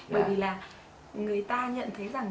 bởi vì là người ta nhận thấy rằng